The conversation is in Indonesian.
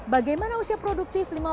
bagaimana usia produktif lima belas